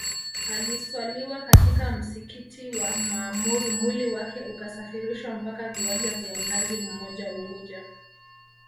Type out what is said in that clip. Aliswaliwa katika msikiti wa maamur mwili wake ukasafirishwa mpaka viwanja vya mnazi mmoja unguja